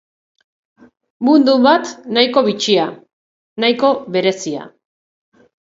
Mundu bat nahiko bitxia, nahiko berezia.